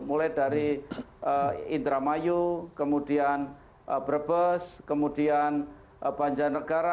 mulai dari indramayu kemudian brebes kemudian banjarnegara